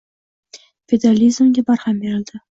feodalizmga barham berildi.